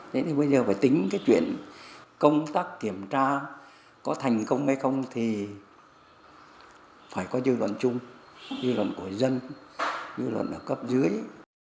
thế thì bây giờ phải tính cái chuyện công tác kiểm tra có thành công hay không thì phải có dư luận chung dư luận của dân dư luận ở cấp dưới